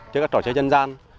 cho các trò chơi dân gian